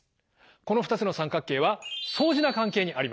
この２つの三角形は相似な関係にあります。